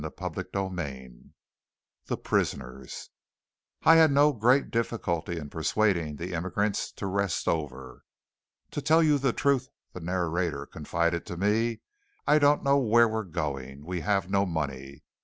CHAPTER XXXIV THE PRISONERS I had no great difficulty in persuading the immigrants to rest over. "To tell you the truth," the narrator confided to me, "I don't know where we're going. We have no money.